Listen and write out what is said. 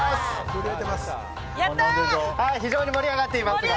非常に盛り上がっています。